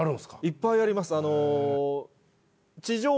いっぱいあります。